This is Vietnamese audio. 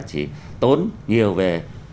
chỉ tốn nhiều về